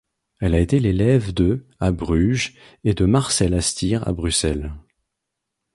Elle a été l'élève de à Bruges et de Marcel Hastir à Bruxelles.